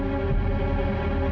apa yang dia lakukan